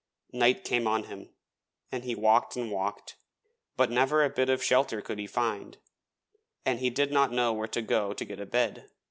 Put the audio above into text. Night came on him, and he walked and walked; but never a bit of shelter could he find, and he did not know where to go to get a bed.